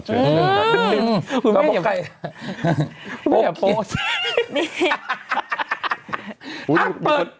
อื้มไม่อยากโพส